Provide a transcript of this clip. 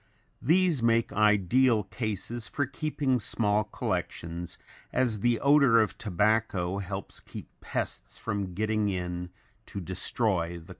These make ideal cases for keeping small collections as the odor of tobacco helps keep pests from getting in to destroy the collection.